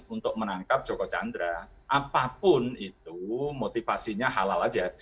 untuk menangkap joko chandra apapun itu motivasinya halal saja